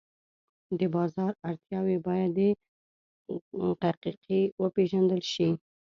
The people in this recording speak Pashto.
د بازار اړتیاوې باید دقیقې وپېژندل شي.